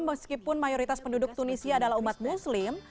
meskipun mayoritas penduduk tunisia adalah umat muslim